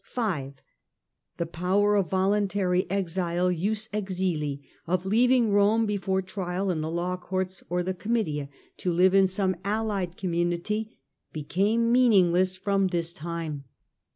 5. The power of voluntary exile, of leaving Rome be fore trial in the law courts or the Comitia, to live in some allied community, became meaningless from 5 * this time.